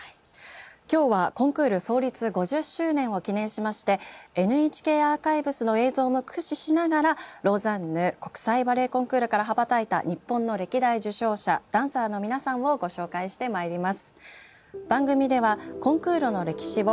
今日はコンクール創立５０周年を記念しましてＮＨＫアーカイブスの映像も駆使しながらローザンヌ国際バレエコンクールから羽ばたいた日本の歴代受賞者ダンサーの皆さんをご紹介してまいります。